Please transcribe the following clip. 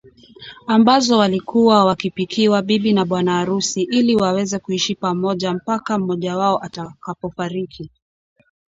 ambazo walikuwa wakipikiwa bibi na bwana arusi ili waweze kuishi pamaoja mpaka mmoja atakapofariki